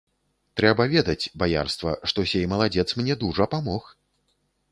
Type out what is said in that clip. Трэба ведаць, баярства, што сей маладзец мне дужа памог.